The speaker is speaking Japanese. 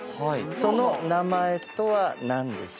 その名前とは何でしょう？